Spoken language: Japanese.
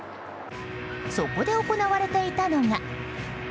そこで行われていたのが。